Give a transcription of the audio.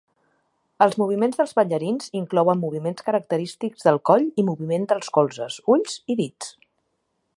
Els moviments dels ballarins inclouen moviments característics del coll i moviments dels colzes, ulls i dits.